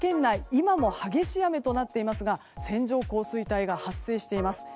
今も激しい雨となっていますが線状降水帯が発生しています。